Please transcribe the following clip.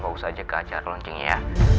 bagus aja ke acara launchingnya ya